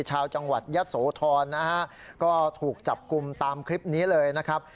ชาวจังหวัดยศโทรณนะครับก็ถูกจับกลุ่มตามคลิปนี้นะครับ